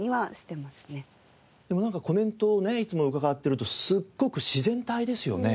なんかコメントをねいつも伺っているとすごく自然体ですよね。